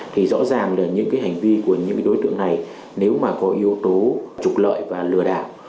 thì rõ ràng là những cái hành vi của những đối tượng này nếu mà có yếu tố trục lợi và lừa đảo